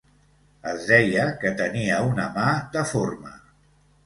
Es deia que tenia una mà deforme.